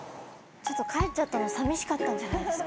帰っちゃったの寂しかったんじゃないですか？